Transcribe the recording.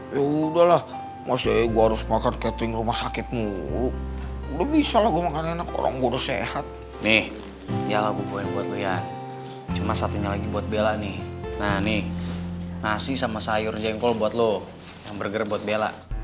ya udah lah mas ya gue harus makan catering rumah sakit mulu udah bisa lah gue makan enak orang bodoh sehat nih ya lah gue poin buat lu ya cuman satunya lagi buat bella nih nah nih nasi sama sayur jengkol buat lu yang burger buat bella